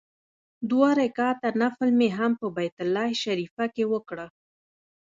دوه رکعاته نفل مې هم په بیت الله شریفه کې وکړ.